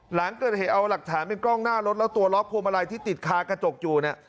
หลังเกิดเหตุเอาหลักฐานเป็นกล้องหน้ารถแล้วตัวล็อกพวงมาลัยที่ติดคากระจกอยู่เนี่ย